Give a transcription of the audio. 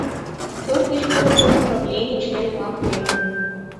Пӧрт гыч колхоз правлений член-влак лектын.